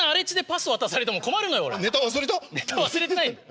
ネタ忘れてないよ。